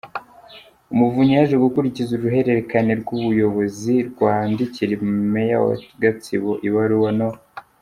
Umuvunyi yaje gukurikiza uruherekane rw’ ubuyobozi rwandikira Mayor wa Gatsibo ibaruwa No.